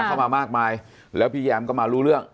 เข้ามามากมายแล้วพี่แยมก็มารู้เรื่อง